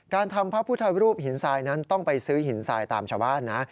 การทำพระพุทธรูปหินทรายนั้นต้องไปซื้อหินทรายตามชาวบ้านนะ